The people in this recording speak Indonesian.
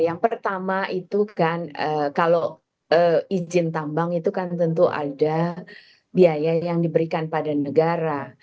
yang pertama itu kan kalau izin tambang itu kan tentu ada biaya yang diberikan pada negara